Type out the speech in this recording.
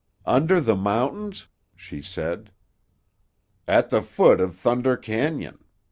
"Under the mountains?" she said. "At the foot of Thunder Cañon.